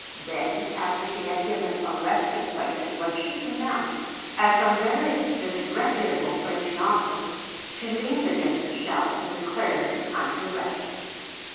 Then after she had given a resting place to what she denounced as some very disreputable French novels, she leaned against the shelves and declared it was time to rest.